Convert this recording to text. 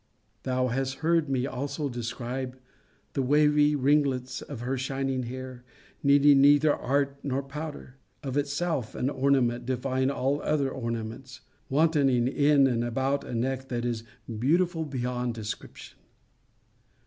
Thou has heard me also describe the wavy ringlets of her shining hair, needing neither art nor powder; of itself an ornament, defying all other ornaments; wantoning in and about a neck that is beautiful beyond description.